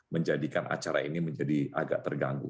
menjadikan acara ini menjadi agak terganggu